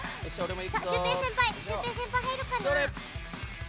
シュウペイ先輩、入るかな？